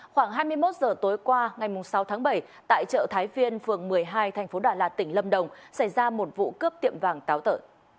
khoảng hai mươi một h tối qua ngày sáu tháng bảy tại chợ thái viên phường một mươi hai thành phố đà lạt tỉnh lâm đồng xảy ra một vụ cướp tiệm vàng táo tợ